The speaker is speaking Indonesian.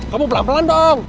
kamu pelan pelan dong